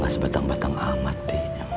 gak sebatang batang amat kayaknya